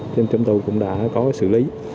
trên trong tàu cũng đã có xử lý